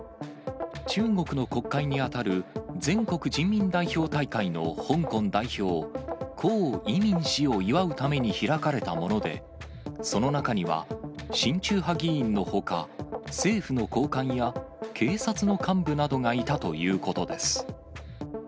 中国の国会に当たる全国人民代表大会の香港代表、こういみん氏を祝うために開かれたもので、その中には親中派議員のほか、政府の高官や警察の幹部などがいたということです。